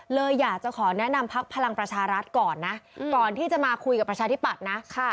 เลยอยากจะขอแนะนำพักพลังประชารัฐก่อนนะก่อนที่จะมาคุยกับประชาธิปัตย์นะ